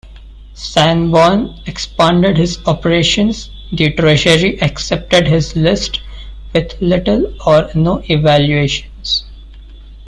Sanborn expanded his operations, the Treasury accepted his list with little or no evaluations.